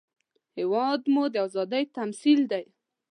هېواد مو د ازادۍ تمثیل دی